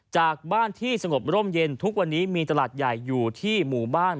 จากบ้านที่สงบร่มเย็นทุกวันนี้มีตลาดใหญ่อยู่ที่หมู่บ้าน